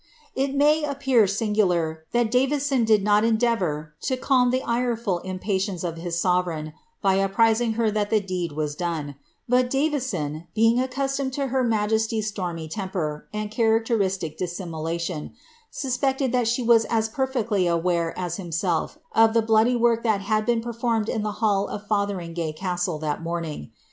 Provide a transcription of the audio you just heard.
It may appear singular, that Davison did not endeavour to calm the ireful impatience of his sovereign, by apprising her that the deed was done; but Davison, being accustomed to her majesty's stormy temper, and characteristic dissimulation, suspected that she was as perfectly aware as himself of the bloody work that had been performed in the hall of Fotheringaye castle that morning.